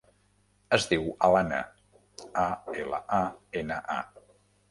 Es diu Alana: a, ela, a, ena, a.